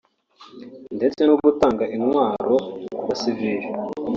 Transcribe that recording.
ndetse no gutanga intwaro ku basivili